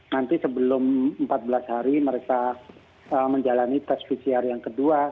nanti sebelum empat belas hari mereka menjalani tes pcr yang kedua